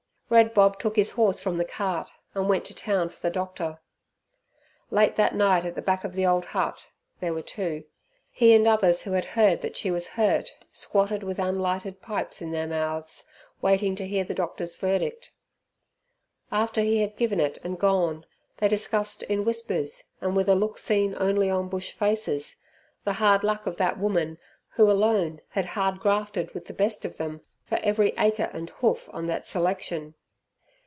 Red Bob took his horse from the cart, and went to town for the doctor. Late that night at the back of the old hut (there were two) he and others who had heard that she was hurt, squatted with unlighted pipes in their mouths, waiting to hear the doctor's verdict. After he had given it and gone, they discussed in whispers, and with a look seen only on bush faces, the hard luck of that woman who alone had hard grafted with the best of them for every acre and hoof on that selection.